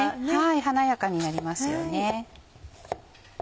華やかになりますよね。